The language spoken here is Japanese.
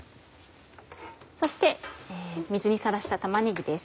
そして水にさらした玉ねぎです。